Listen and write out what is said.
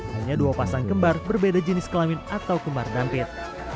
hanya dua pasang kembar berbeda jenis kelamin atau kembar dampit